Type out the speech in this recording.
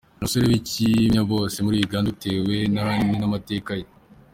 Ni umusore w’ikimenyabose muri Uganda bitewe ahanini n’amateka ye.